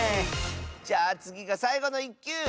じゃあつぎがさいごの１きゅう！